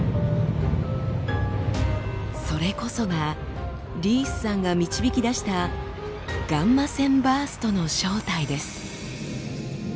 それこそがリースさんが導き出したガンマ線バーストの正体です。